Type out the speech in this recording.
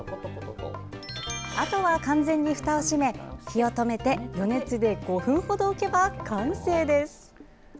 あとは完全にふたを閉め火を止めて余熱で５分ほど置けば完成です。